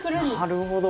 なるほど。